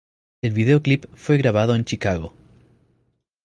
El videoclip fue grabado en Chicago.